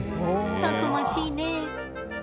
たくましいね。